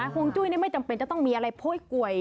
ฮงจุ้ยเนี่ยไม่จำเป็นจะต้องมีอะไรโพ้่๊กวย